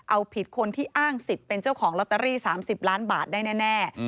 เอาผิดคนที่อ้างสิทธิ์เป็นเจ้าของลอตเตอรี่๓๐ล้านบาทได้แน่